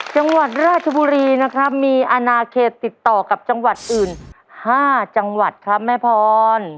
จังหวัดราชบุรีนะครับมีอนาเขตติดต่อกับจังหวัดอื่น๕จังหวัดครับแม่พร